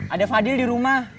ada fadil di rumah